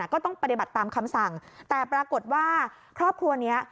ก็ต้องปฏิบัติตามคำสั่งแต่ปรากฏว่าครอบครัวเนี้ย